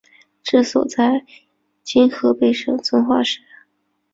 治所在今河北省遵化市。